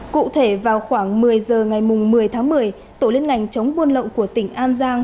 cụ thể vào khoảng một mươi giờ ngày một mươi tháng một mươi tổ liên ngành chống buôn lậu của tỉnh an giang